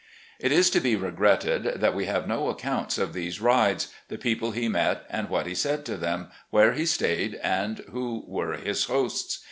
It is to be regretted that we have no accounts of these rides, the people he met, and what he said to them, where he stayed, and who were his hosts.